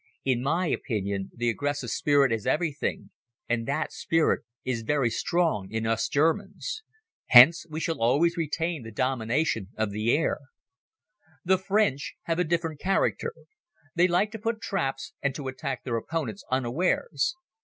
In my opinion the aggressive spirit is everything and that spirit is very strong in us Germans. Hence we shall always retain the domination of the air. The French have a different character. They like to put traps and to attack their opponents unawares.